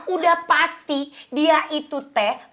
udah pasti dia itu teh